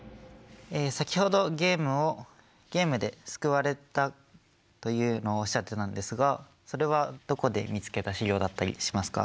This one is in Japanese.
先ほどゲームをゲームで救われたというのをおっしゃってたんですがそれはどこで見つけた資料だったりしますか？